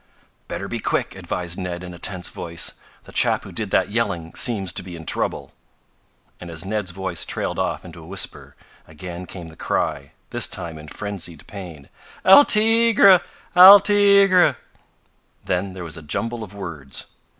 "Better be quick," advised Ned in a tense voice. "The chap who did that yelling seems to be in trouble!" And as Ned's voice trailed off into a whisper, again came the cry, this time in frenzied pain. "El tigre! El tigre!" Then there was a jumble of words.